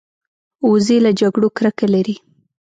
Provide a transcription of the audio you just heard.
وزې له جګړو کرکه لري